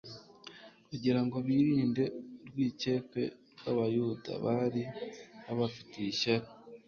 kugira ngo birinde urwikekwe rw'abayuda bari babafitiye ishyari.